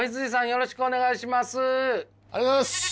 よろしくお願いします。